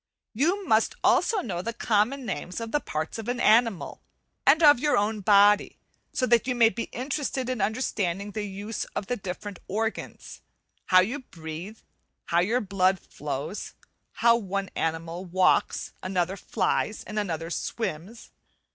You must also know the common names of the parts of an animal, and of your own body, so that you may be interested in understanding the use of the different organs; how you breathe, and how your blood flows; how one animal walks, another flies, and another swims.